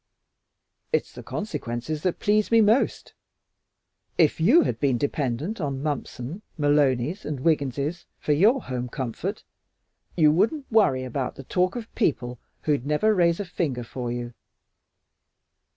"It's the consequences that please me most. If you had been dependent on Mumpson, Malonys, and Wigginses for your home comfort you wouldn't worry about the talk of people who'd never raise a finger for you.